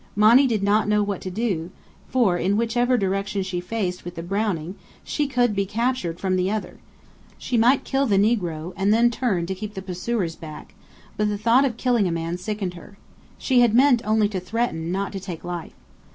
Monny did not know what to do; for in whichever direction she faced with the Browning, she could be captured from the other. She might kill the negro, and then turn to keep the pursuers back: but the thought of killing a man sickened her. She had meant only to threaten, not to take life.